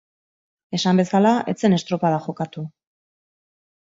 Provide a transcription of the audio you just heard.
Esan bezala, ez zen estropada jokatu.